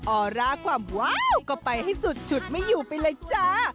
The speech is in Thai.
ออร่าความว้าวก็ไปให้สุดฉุดไม่อยู่ไปเลยจ้า